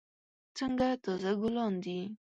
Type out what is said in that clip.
څنګه تازه ګلان دي.